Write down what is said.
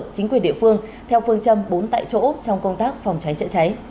chính quyền địa phương theo phương châm bốn tại chỗ trong công tác phòng cháy chữa cháy